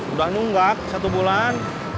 udah nunggak satu bulan